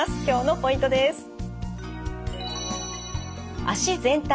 今日のポイントです。